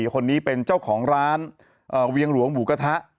คนนี้เป็นเจ้าของร้านเวียงหลวงหมูกระทะ